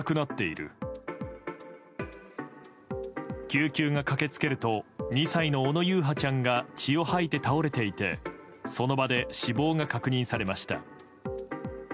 救急が駆け付けると２歳の小野優陽ちゃんが血を吐いて倒れていてその場で死亡が確認されました。